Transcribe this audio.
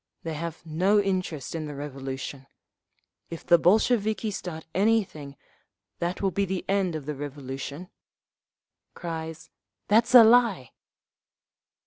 They have no interest in the Revolution. If the Bolsheviki start anything, that will be the end of the Revolution…" (Cries, "That's a lie!)"